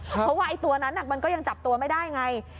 เพราะว่าไอ้ตัวนั้นมันก็ยังจับตัวไม่ได้ไง